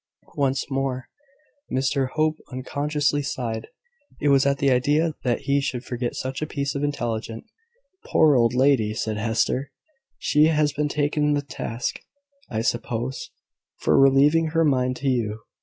Once more, Mr Hope unconsciously sighed. It was at the idea that he could forget such a piece of intelligence. "Poor old lady!" said Hester; "she has been taken to task, I suppose, for relieving her mind to you.